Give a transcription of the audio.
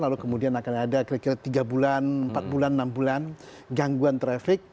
lalu kemudian akan ada kira kira tiga bulan empat bulan enam bulan gangguan traffic